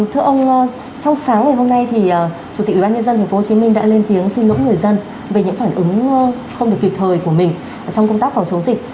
thưa ông trong sáng ngày hôm nay thì chủ tịch ủy ban nhân dân tp hcm đã lên tiếng xin lỗi người dân về những phản ứng không được kịp thời của mình trong công tác phòng chống dịch